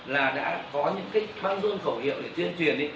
là đã có những cái băng dương khẩu hiệu để tuyên truyền